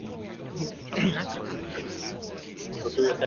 This completes the formation of ring A.